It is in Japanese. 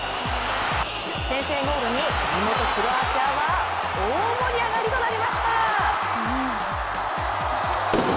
先制ゴールに地元クロアチアは大盛り上がりとなりました！